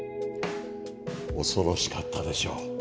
恐ろしかったでしょう。